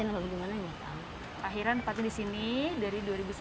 mereka harus siap digusur